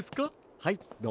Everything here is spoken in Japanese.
はいどうぞ。